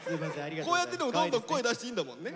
こうやってでもどんどん声出していいんだもんね。